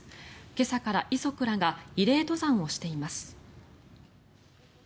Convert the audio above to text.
今朝から遺族らが慰霊登山をしています。